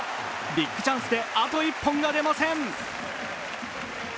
ビッグチャンスであと一本が出ません。